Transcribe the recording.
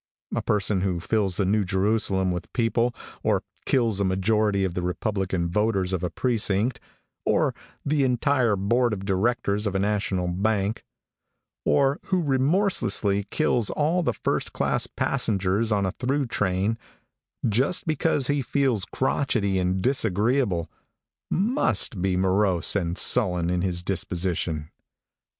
A person who fills the New Jerusalem with people, or kills a majority of the republican voters of a precinct, or the entire board of directors of a national bank, or who remorselessly kills all the first class passengers on a through train, just because he feels crochety and disagreeable, must be morose and sullen in his disposition.